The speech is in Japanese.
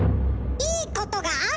いいことがある？